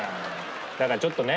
だからちょっとね